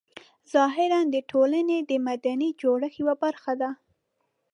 ظاهراً د ټولنې د مدني جوړښت یوه برخه ده.